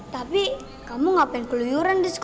tapi kamu ngapain keluyuran